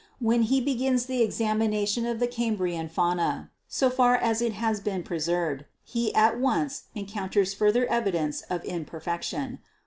When he begins the examination of the Cambrian fauna, so far as it has been preserved, he at once encoun ters further evidence of imperfection.